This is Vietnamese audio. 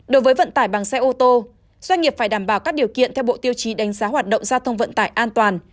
đối với vận tải bằng xe ô tô doanh nghiệp phải đảm bảo các điều kiện theo bộ tiêu chí đánh giá hoạt động giao thông vận tải an toàn